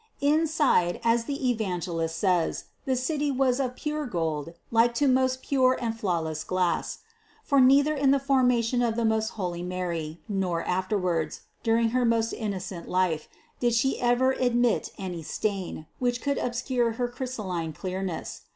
Inside, as the Evangelist says, the city was of "pure gold, like to most pure and flawless glass," for neither in the formation of the most holy Mary, nor afterwards, during her most innocent life, did She ever admit any stain, which could obscure her crystalline THE CONCEPTION 231 clearness.